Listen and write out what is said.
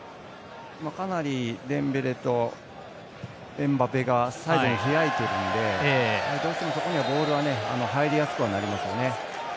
かなりデンベレとエムバペが左右開いてるのでどうしても、そこにはボールが入りやすくなりますよね。